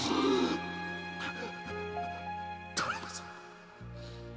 〔頼むぞ！